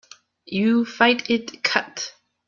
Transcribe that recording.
You fight it cut.